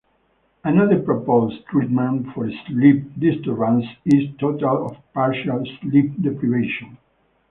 Another proposed treatment for sleep disturbances is total or partial sleep deprivation.